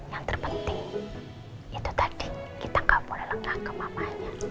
yang terpenting itu tadi kita gak boleh lengkap ke mamanya